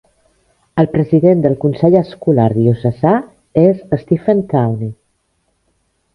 El President del Consell Escolar Diocesà és Stephen Towne.